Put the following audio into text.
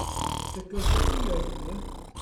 Dy gyflog di oedd hwnna?